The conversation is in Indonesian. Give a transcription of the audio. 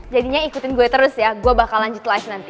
jadinya ikutin gue terus ya gue bakal lanjut live nanti